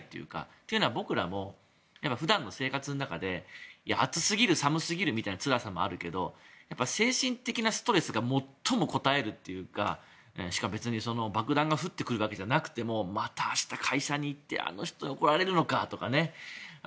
というのは僕らも普段の生活の中で暑すぎる寒すぎるみたいなつらさもあるけど精神的なストレスが最もこたえるというかしかも別に、爆弾が降ってくるわけじゃなくてもまた明日、会社に行ってあの人に怒られるのかとかね。